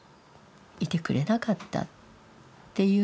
いてくれなかったっていう